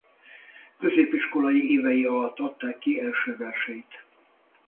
Középiskolai évei alatt adták ki első verseit.